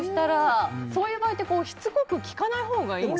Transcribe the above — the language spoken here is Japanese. そういう場合ってしつこく聞かないほうがいいんですか。